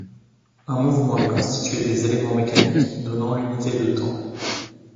Un mouvement est constitué des éléments mécaniques donnant l'unité de temps.